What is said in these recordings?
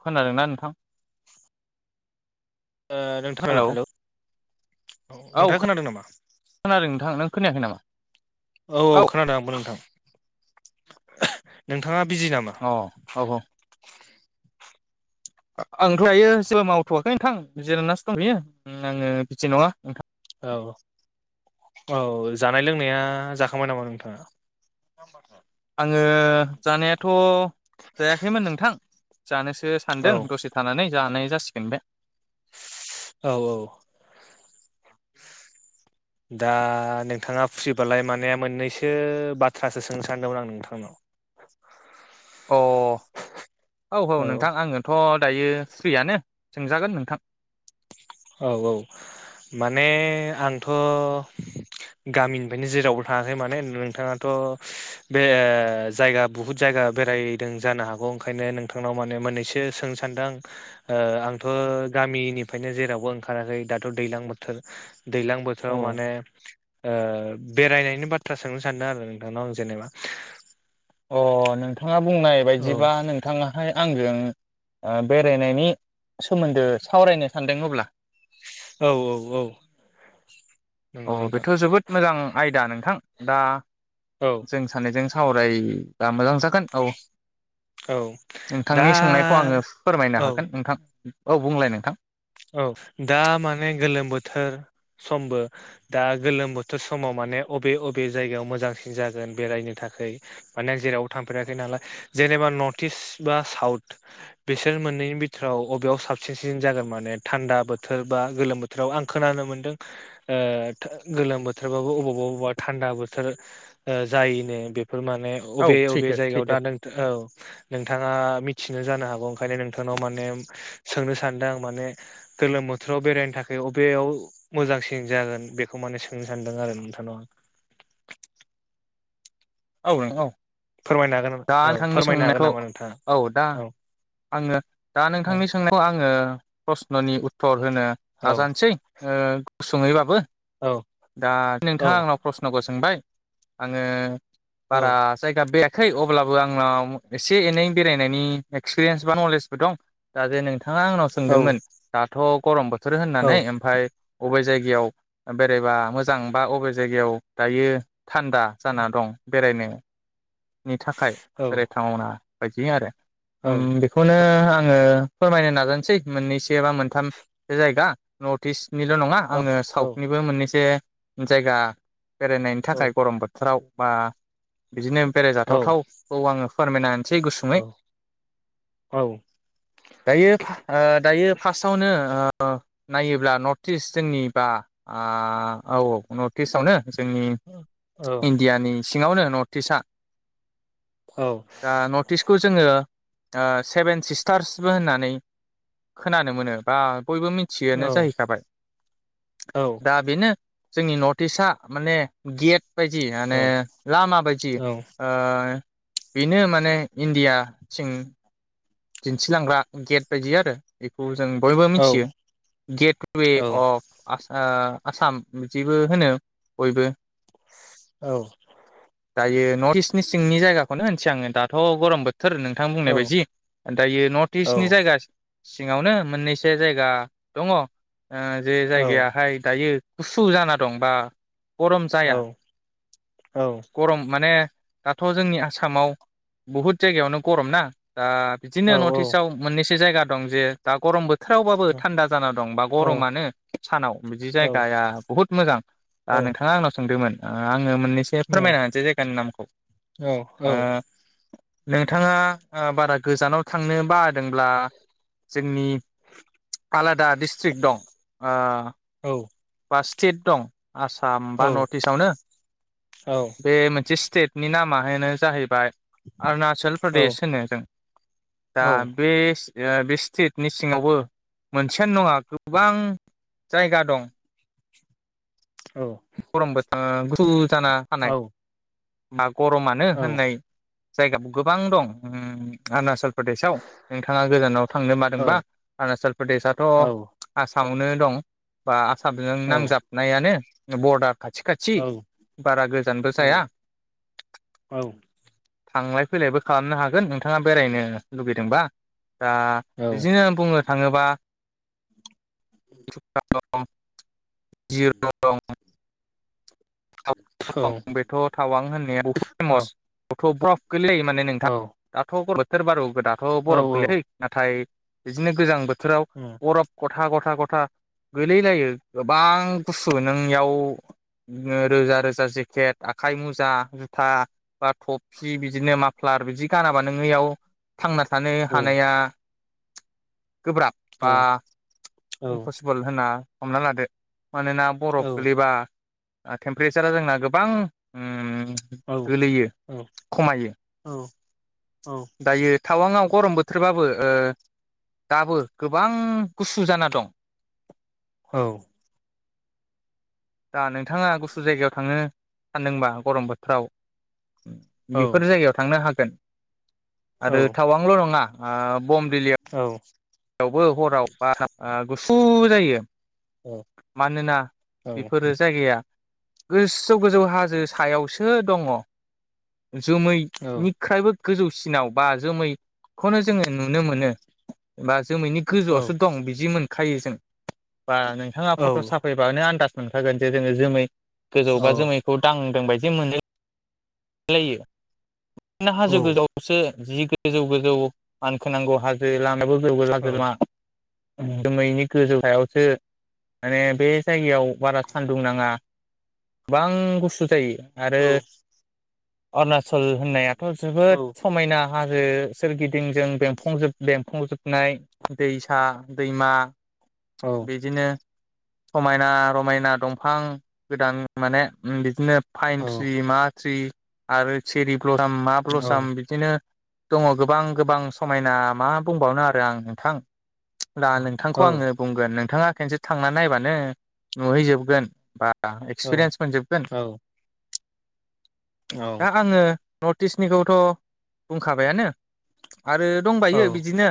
खोनादोंना नोंथां? ओ नों [inaudible] हेलौ औ नोंथाङा खो खोनादों नामा [inaudible] खोनादों नोंथां नों खोनायाखै नामा? औ औ अ खोनादों आंबो नोंथां। नोंथाङा बिजि नामा अ औऔ [inaudible] आं लायो जेबो मावथ'आखौ नोंथां जिरायनासो दं बियो आङो बिदि नङा नोंथां औ औ जानाय लोंनाया जाखांबाय नामा नोंथाङा? आङो जानायाथ' जायाखैमोन नोंथां। जानोसो औ सानदों दसे थानानै जानाय जासिगोन बे औ औ। दा नोंथाङा फ्रिबालाय माने मोननैसो बाथ्रासो सोंनो सानदोंमोन आं नोंथांनाव। [inaudible] अ, औ औ नोंथां आङोथ' दायो स्रियानो सोंजागोन नोंथां। औ औ माने आंथ' गामिनिफ्रायनो जेरावबो थाङाखै माने नोंथाङाथ' बे जायगा बुहुत जाय गा बेरायदों जानो हागौ ओंखायनो नोंथांनाव माने मोननैसो सोंनो सान्दों ओ आंथ' ओ गामिनिफ्रायनो जेरावबो ओंखाराखै दाथ' दैलां बोथोर दैलां अ बोथोराव माने ओ बेरायनायनि बाथ्रा सोंनो सानदों आरो नोंथांनाव आं जेनेबा। अ नोंथाङा बुंनाय औ बायदिबा नोंथाङा हाय आंजों बेरायनायनि सोमोन्दो सावरायनो सानदों अब्ला औ औ औ। अ नंगौ नोंथां बेथ' जोबोद मोजां आयदा नोंथां दा औ जों सानैजों सावरायबा मोजां जागोन औ। औ [inaudible] दा नोंथांनि सोंनायखौ आङो फोरमायनो औ हागोन नोंथां। औ बुंलाय नोंथां। औ दा माने गोलोम बोथोर समबो दा गोलोम बोथोर समाव माने अबे अबे जायगायाव मोजांसिन जागोन बेरायनो थाखाय माने जेरावबो थांफेराखै नालाय जे नेबा नर्थ इस्ट बा साउथ बिसोर मोननैनि बिथोराव बबेयाव साबसिन सिन जागोन माने? थान्दा बोथोर बा गोलोम बोथोराव आं खोनानो मोनदों ओ गोलोम बोथोरबाबो अबावबा अबावबा थानदा बोथोर ओ जायोनो बे फोर माने औ अबे अबे सैथो जायगायाव सैथो दा नों औ नोंथाङा मिथियो जानो हागौ ओंखायनो नोंथांनाव माने सोंनो सानदों आं माने। गोलोम बोथोराव बेरायनो थाखाय अबेयाव मोजांसिन जागोन बेखौ माने सोंनो सानदों आरो नोंथां। [unintelligible] औ नों औ फोरमायनो हागोन नामा? दा औ नोंथांनि फोरमायनो हागोन सोंनायखौ नामा नोंथाङा औ दा औ आङो दा औ नोंथांनि सोंनायखौ आङो प्रस्न'नि उत्तर होनो औ नाजानोसै ओ गुसुङैबाबो दा औ नोंथाङा आंनाव प्रसन'खौ सोंबाय आङो औ बारा जायगा बे खै अब्लाबो आंनाव एसे-एनै बेरायनायनि एक्सपिरियेन्स बा नलेजबो दं दा जे नोंथां नोंथाङा आंनाव औ सोंदोंमोन दाथ' गरम बोथोर औ होननानै ओमफ्राय अबे जायगा याव बेरायबा मोजां बा अबे जायगायाव दायो थान्दा जाना दं। बेरायनायनो नि थाखाय बेरायथावना बायदि आरो औ ओम बेखौनो आङो फोरमायनो नाजानोसै मोननैसो बा मोनथाम जायगा नर्थ इस्ट निल' नङा आङो औ साउथनिबो मोननैसो जायगा बेरायनायनि थाखाय गरम बोथोराव बा बिदिनो बेरायजाथावथाव खौ आङो फोरमायना होनोसै गुसुङै औ औ दायो ओ दायो फार्स्टआवनो ओ अ नायोब्ला नर्थ इस्ट जोंनिबा आ औ औ नर्थ इस्टआवनो जोंनि इण्डियानि सिङावनो नर्थ इस्टआ। औ दा नर्थइष्टखौ जोङो दा सेभेन सिस्टार्सबो होननानै खोनानो मोनो बा बयबो मिथियोनो जाहैखाबाय दा बेनो जोंनि नर्थ इष्टआ माने गेट बायदि माने लामा बायदि ओ बेनो माने इण्डिया सिं दिन्थिलांग्रा गेट बायदि आरो बेखौ जों बयबो मिथियो गेटेवे औ अफ आसा ओ आसाम बिदिबो होनो बयबो औ। दायो नर्थ इष्टनि सिंनि जायगाखौनो होननोसै आङो दाथ' गरम बोथोर नोंथां औ बुंनाय बायदि दायो नर्थ औ इष्टनि जायगा सिङावनो मोननैसो जायगा दङ। ओ जे औ जायगायाहाय दायो गुसु जाना दं बा गरम औ जाया औ गरम माने दाथ' जोंनि आसामाव बहुत जायगायावनो गरम ना दा औ बिदिनो नर्थ इष्टआव मोननैसो जायगा दं जे दा गरम बोथ थोरावबाबो थान्दा जाना दं बा औ औ गरमानो सानाव बिदि औ जायगाया बुहुत मोजां। औ आ औ नोंथाङा आंनाव सोंदोंमोन। ओ आङो मोननैसो फोरमायना होनोसै जायगानि नामखौ औ ओ नोंथाङा ओ बारा गोजानाव थांनो बादोंब्ला जोंनि [unintelligible] आलादा डिस्ट्रिक दं बा स्टेट दं आसाम बा नर्थ इष्टआवनो बे मोनसे स्टेट नि नामाहायनो जाहैबाय अरुणाचल प्रदेश होनो जों दा बेस ओ बे स्टेटनि सिङावबो मोनसेयानो नङा गोबां जायगा दं। औ। गरमबोथ गुसु जाना थानाय बा गरमानो होननाय। जायगाबो गोबां दं ओम अरुणचल प्रदेशआव नोंथाङा गोजानाव थांनो मादोंबा अरुणाचल प्रदेशथ' आसामावनो दं बा आसामजों नांजाबनायानो बर्डार खाथि-खाथि बारा गोजानबो जाया। थांलाय फैलायबो खालामनो हागोन नोंथाङा बेरायनो लुगैदोंबा दा बिजिनो बुङो। थाङोबा [unintelligible] दं जिर' दं। थ बेथ' थावां होननाया बहुद फेमसथ' ब्रफ गोगलैयायो माने नोंथां दाथ' ग' बोथोर बार' गो दाथ' बरफ गोलैहै नाथाय बिदिनो गोजां बोथोराव बररफ गथा गथा गथा गोलैलायो गोबां बुस्थु नोंयाव बिदिनो रोजा रोजा जेकेट आखाइ मुजा जुथा बा थफि बिदिनो माफ्लाब बिदि गानाबा नोङो इयाव थांना थानो हानाया गोब्राब बा इमपसिबोल होनना हमना लादो मानोना बरफ गोैबा टेम्पारेसारा जोंना गोबां ओम गोलैयो खमायो दायो टावां गरम बोथोरबाबो दाबो गोबां गुसु जाना दं औ दा नोंथाङा गुसु जायगायाव थांनो सानदोंबा गरम बोथोराव बेफोर जायगायाव थांनो हागोन आरो टावांल' नङा बम दिललियाव यावबो हराव बा गुसु जायो मानोना बेफोरो जायगाया गोसो गोजौ हाजो सायावसो दङ जोमैनिख्रायबो गोजौसिनाव बा जोमैखौनो जोङो नुनो मोनो बा जोमैनि गोजौआवसो दं बिदि मोनखायो जों बा नोंथाङा फट' साफायबानो आन्दास मोनखागोन जे जोङो जोमै गोजौबा जोमैखौ दांदों बायदि मोनै लायो हाजो गोजावसो जि गोजौ गोजौ मानखोनांगौ हाजो लामायाबो गोला [unintelligible] जोमैनि गोजौथायावसो माने बे जायगायाव बारा सान्दुं नाङा गोबां गुसु जायो आरो औ अरुनाचल होननायाथ' जोबोद समायना हाजो सोरगिदिंजों बेंफ बेंफंजोबनाय दैसा दैमा औ बिदिनो समायना रमायना दंफां गोदान माने बिदिनो औ फाइन ट्रि मा ट्रि आरो चेरि ब्लसाम मा ब्लसाम बिदिनो दङ गोबां गोबां समायना मा बुंबावनो आरो आं नोंथां दा औ नोंथांखौ आङो बुंगोन नोंथाङा खनसे थांना नायबानो नुहैजोबगोन बा द एक्सपिरियेन्स मोनजोबगोन औ औ दा आङो नर्थ इस्टनिखौथ' बुंखाबायानो आरो औ दंबायो बिदिनो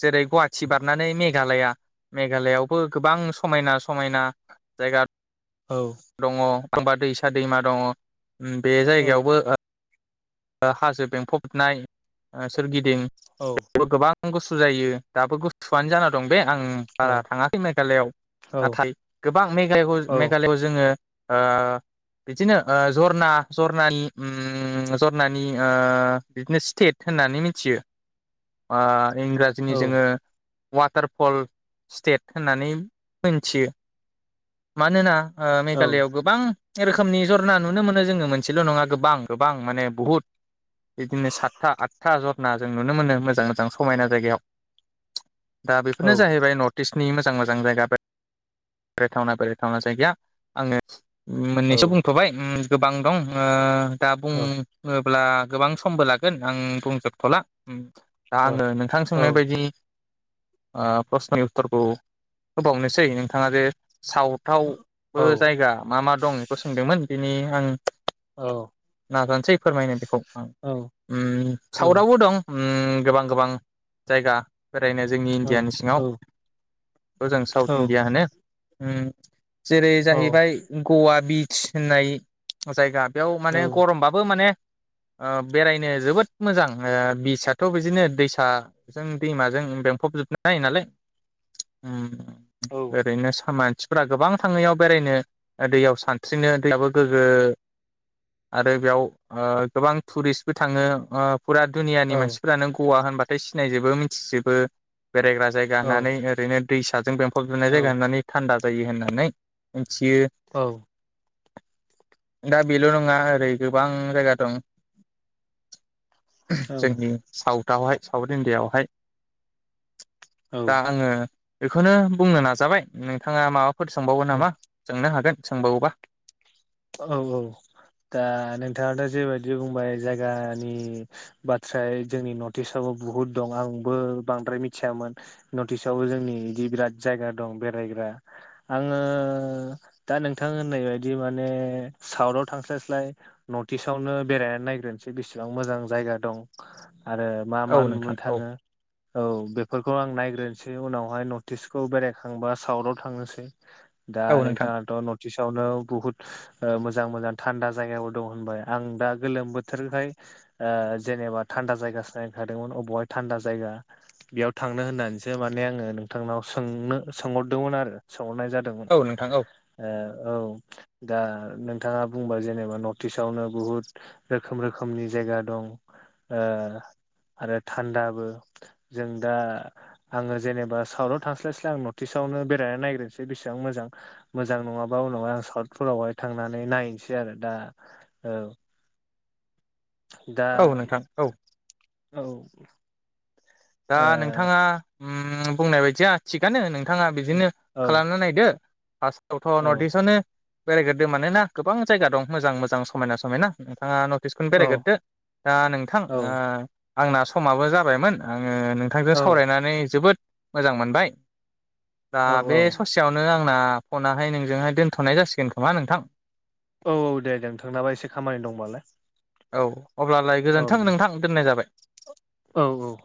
जेरै गुवाहाटि बारनानै मेघालया मेघालयआवबो गोबां समायना समायना जायगा औ दङ बांबा दैसा दैमा दङ बे औ जायगायावबो हाजो बेंफबनाय सोरगिदिं औ गोबां गुसु जायो दाबो गुसुआनो जाना दं बे आं औ बारा थाङाखै मेघालआव औ औ नाथाय गोबां मेघाल औ मेघालयआव जोङो ओ बिदिनो ओ जरना जरना जरनानिओम जेंनानि ओ बिदिनो स्टेट होननानै मिथियो इंराजिनि जोङो वाटारफल स्टेट होननानै मोनथियो मानोना मेघालयआव गोबां रोखोमनि जरना नुनो मोनो जोङो मोनसेल' नङा गोबां गोबां माने बुहुत बिदिनो सातथा आदथा रना जों नुनो मोनो मोजां मोजां समायना जायगायाव दा बेफोरनो जाहैबाय नर्थ इस्टनि मोजां मोजां जायगा बेराय थावना बेराय थावना जायगाया आङो मोननैसो बुंथ'बाय गोबां दं दा बुं अब्ला गोबां समबो लागोन आं बुंजोबथ'ला दा आङो नोंथां सोंनाय बायदि ओ प्रसननि उत्तरखौ होबावनोसै नोंथाङा जे साउथावबो जायगा मा मा दं बेखौ सोंदोंमोन बिनि आं औ नाजानोसै फोरमायनो बेखौ आ साउथावबो दं गोबां गोबां जायगा बेरायनो जोंनि इण्डियानि सिङाव बेखौ जों साउथ इण्डिया होनो जेरै जाहैबाय गवा बच होननाय जायगा बेयाव माने गरमबाबो माने बेरायनो जोबोद मोजां बिसथ' बिदिनो दैसाजों दैमाजों बेंफब नाय नालाय उम ओरैनो सामाज गोबां थाङनायाव बेरायनो दैयाव सानस्रिनो दैयाबो गोग्गो आरो बेयाव गोबां टुरिस्टबो थाङो फुरा दुनियानि मानसिफोरानो गवा होनबाथाय सिनायजोबो मिथिजोबो बेरायग्रा जायगा होननानै ओरैनो दैसाजों बेंफबजनाय जायगा होननानै थान्दा जायो होननानै थियो दा बेल' नङा ओरै गोबां जायगा दं जोंनि साउथावहाय साउथ इण्डियाआवहाय दा आङो बेखौनो बुंनो नाजाबाय नोंथाङा माबा फोर सोंबावगो नामा सोंनो हागोन सोंबावोबा औ औ दा नोंथाङाथ' जेबायदि बुंबाय जायगानि बाथ्राय जोंनि नर्ट इस्टआव बहु दं आंबो बांद्राय मिथिनाययामोन नर्थ इस्वबो जोंनि बिदि बिराद जायगा दं बेराय आङो दा नोंथां होननाय बायदि म माने साउथाव थांस्लाय स्लाय नर्थ इस्ट आवनो बेरायनानै नायग्रोनोसै बिसेबां मोजां जायगा दं आरो मा औ मा नुनो नोंथां औ थाङो औ बेफोरखौ आं नायग्रोनोसै उनावहाय नर्थ इस्टखौ बेरायखांबा साउथव थांनोसै दा औ नोंथां नोंथाङाथ' नर्थ इस्टवनो बुहुत मोजां मोजां थान्दा जायगाबो दं होनबाय आं दा गोलोम बोथोरहाय ज जेनेबा थान्दा जायगा नायखादोंमोन बबावहाय थान्दा जायगा बेयाव थांनो होननानैसो माने आङो नोंथां जोंनाव सोंनो सोंहरदोंमोन आरो सोंहरनाय जादोंमोन औ नोंथां औ औ दा नोंथाङा बुंबा जेनेबा नर्थ इस्ट आवनो बुहुद रोखोम रोखोमनि जायगा दं [inaudible] आरो थान्दाबो जों दा आंङो जेनेबा साउथाव थांस्लायस्लाय आं नर्थ इस्टव नो बेरायनानैनागो्सै बेसेबां मोजां मोजां नङाबा उनाव फोरावहाय थांनानै नायनोसै आरो दा औ दा औ नोंथां औ औ दा नोंथाङा बुंनाय बायदिया थिगानो नोंथ नोंथाङा बिदिनो औ खालामना नायदो फार्स्टावथ' नर्थ औ इस्टआवनो बेरायग्रोदों मानोना गोबां जायगा दं मोजां मोजां समायना समायना आ नटिसखौनो औ बेरायग्रदो दा नोंथां औ आ आंना समाबो जाबायमोन ओ ओ आङो नोंथांजों सावरायनानै जोबोद मोजां मोनबाय दा औ बे औ ससेयावनो आं आंना फनाहाय नोंजोंहाय दोनथ'नाय जासिगोन खोमा नोंथां औ औ दे दे नोंथांनाबो एसे खामानि दंबालाय औ अब्लालाय औ गोजोन्थों दे नोंथां दोननाय जाबाय औ औ